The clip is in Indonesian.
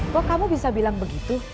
kok kamu bisa bilang begitu